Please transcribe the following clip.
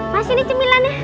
mas ini cemilan ya